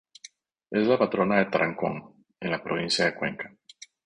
Es la patrona de Tarancón, en la provincia de Cuenca.